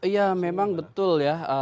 ya memang betul ya